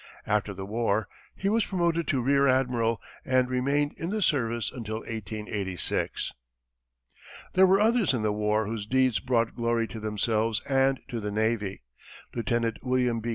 After the war, he was promoted to rear admiral, and remained in the service until 1886. There were others in the war whose deeds brought glory to themselves and to the navy Lieutenant William B.